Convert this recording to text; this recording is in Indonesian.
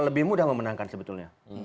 lebih mudah memenangkan sebetulnya